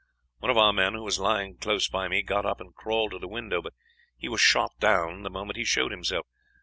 One of our men, who was lying close by me, got up and crawled to the window, but he was shot down the moment he showed himself.